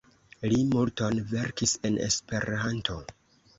Li multon verkis en Esperanto.